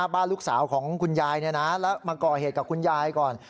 บ้านลูกสาวของคุณยายแล้วมาก่อเหตุกับคุณยายก่อน